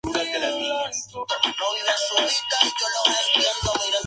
Aquí se encuentran las ciudades de Viedma y Carmen de Patagones.